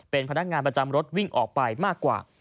เป็นพนักงานประจำรถวิ่งออกไปมากกว่า